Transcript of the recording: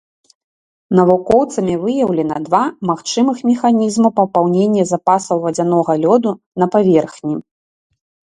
Навукоўцамі выяўлена два магчымых механізму папаўнення запасаў вадзянога лёду на паверхні.